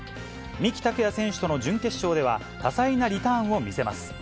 三木拓也選手との準決勝では、多彩なリターンを見せます。